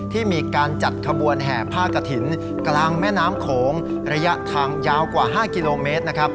ที่มีการจัดขบวนแห่ผ้ากระถิ่นกลางแม่น้ำโขงระยะทางยาวกว่า๕กิโลเมตรนะครับ